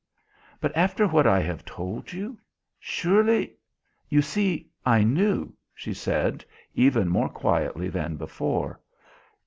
"But after what I have told you. Surely " "You see I knew," she said, even more quietly than before.